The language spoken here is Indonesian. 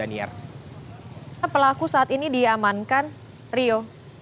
pelaku saat ini diamankan rio